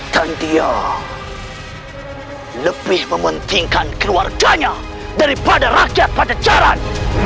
dan dia lebih mementingkan keluarganya daripada rakyat pacejaran